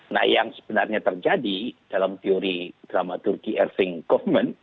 nah yang sebenarnya terjadi dalam teori dramaturgi erving goven